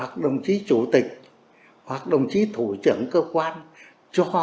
có đảng đấy